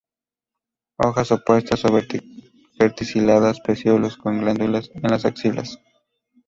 Hojas opuestas o verticiladas; pecíolos con glándulas en las axilas.